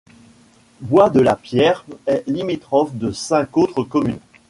Bois-de-la-Pierre est limitrophe de cinq autres communes.